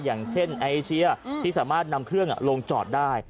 อย่างเช่นเอเชียที่สามารถนำเครื่องลงจอดได้